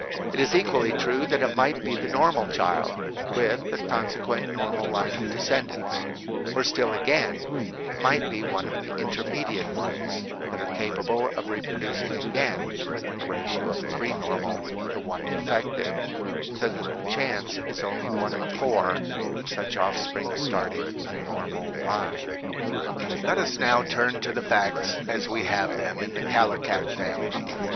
It is equally true that it might be the normal child, with a consequent normal line of descendants ; or still again, it might be one of the intermediate ones that are ca pable of reproducing again the ratio of three normal to one defective, so that the chance is only one in four of such offspring starting a normal line. Let us now turn to the facts as we have them in the Kallikak family.